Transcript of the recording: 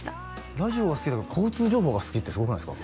ラジオは好きだけど交通情報が好きってすごくないですか？